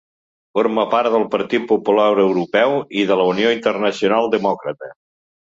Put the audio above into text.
Forma part del Partit Popular Europeu i de la Unió Internacional Demòcrata.